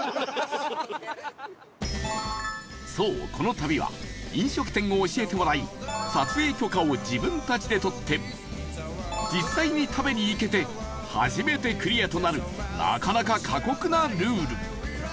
そう、この旅は飲食店を教えてもらい撮影許可を自分たちで取って実際に食べに行けて初めてクリアとなるなかなか過酷なルール